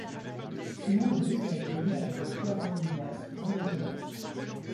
Simon Leduc a été élève de Pierre Gaviniès pour le violon.